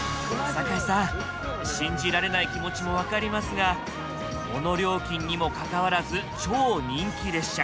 酒井さん信じられない気持ちも分かりますがこの料金にもかかわらず超人気列車。